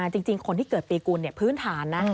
จริงคนที่เกิดปีกุลพื้นฐานนะ